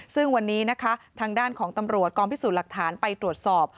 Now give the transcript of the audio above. ซึ่งวันนี้นะคะทางด้านของตำรวจกองพิสูจน์หลักฐานไปตรวจสอบ